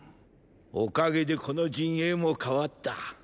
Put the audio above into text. おかげでこの陣営も変わった。